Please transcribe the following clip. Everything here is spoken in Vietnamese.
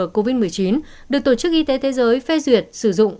vaccine ngừa covid một mươi chín được tổ chức y tế thế giới phê duyệt sử dụng